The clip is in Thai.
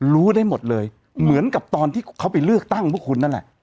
รู้ได้หมดเลยเหมือนกับตอนที่เขาไปเลือกตั้งพวกคุณนั่นแหละ